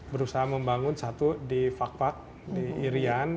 berusaha membangun satu di fakpat di irian